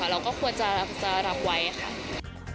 เราก็ควรจะรับไว้ค่ะ